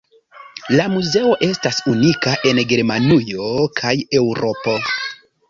La muzeo estas unika en Germanujo kaj Eŭropo.